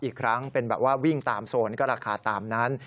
อีกครั้งเป็นแบบว่าวิ่งตามโซนก็ราคาตามนั้น